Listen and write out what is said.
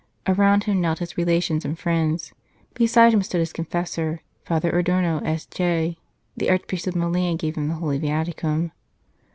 Around him knelt his relations and friends ; beside him stood his confessor, Father Adorno, S.J. The Archpriest of Milan gave him the Holy Viaticum.